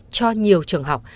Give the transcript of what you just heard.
cho nhiều trường học